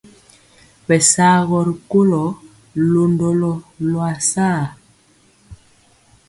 Bɛsaagɔ ri kolo londɔlo loasare.